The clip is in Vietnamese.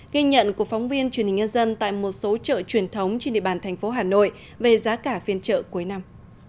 ghi nhận của phóng viên truyền hình nhân dân tại một số chợ truyền thống trên địa bàn thành phố hà nội về giá cả phiên chợ cuối năm